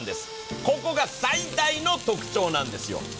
ここが最大の特徴なんですよ。